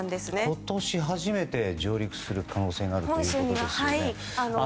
今年初めて上陸する可能性があるということですよね。